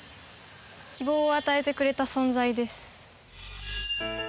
希望を与えてくれた存在です。